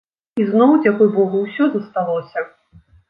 І зноў, дзякуй богу, усё засталося.